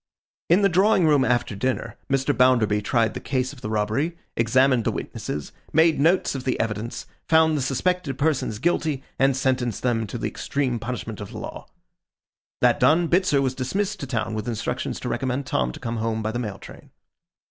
In the drawing room after dinner, Mr. Bounderby tried the case of the robbery, examined the witnesses, made notes of the evidence, found the suspected persons guilty, and sentenced them to the extreme punishment of the law. That done, Bitzer was dismissed to town with instructions to recommend Tom to come home by the mail train.